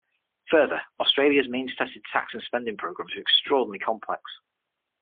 Further, Australia's means-tested tax and spending programs are extraordinarily complex.